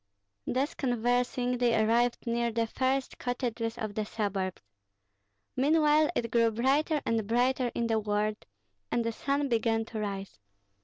Thus conversing they arrived near the first cottages of the suburbs. Meanwhile it grew brighter and brighter in the world, and the sun began to rise.